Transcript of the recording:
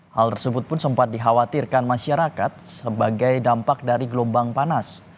hal tersebut pun sempat dikhawatirkan masyarakat sebagai dampak dari gelombang panas